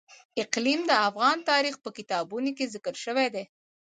اقلیم د افغان تاریخ په کتابونو کې ذکر شوی دي.